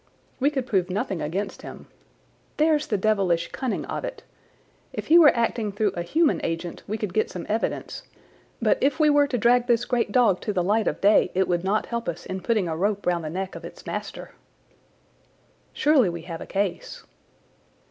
We could prove nothing against him. There's the devilish cunning of it! If he were acting through a human agent we could get some evidence, but if we were to drag this great dog to the light of day it would not help us in putting a rope round the neck of its master." "Surely we have a case."